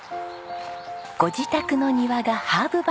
ご自宅の庭がハーブ畑。